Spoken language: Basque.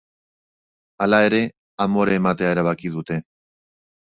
Hala ere, amore ematea erabaki dute.